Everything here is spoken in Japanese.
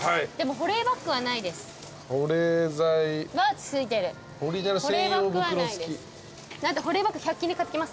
保冷バッグはないです。